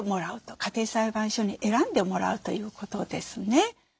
家庭裁判所に選んでもらうということですね。